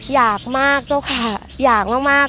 อยากมากเจ้าค่ะอยากมาก